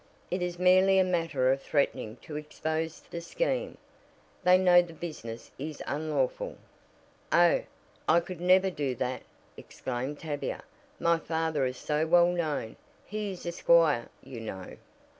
It is merely a matter of threatening to expose the scheme they know the business is unlawful." "Oh, I could never do that!" exclaimed Tavia. "My father is so well known; he is a squire, you know."